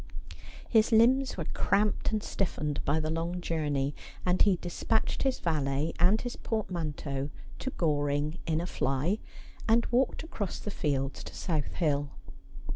His limbs were cramped and stiffened by the long journey, and he despatched his valet and his portmanteau to Goring in a fly, and walked across the fields to South Hill.